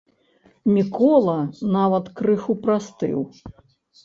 Мікола нават крыху прастыў.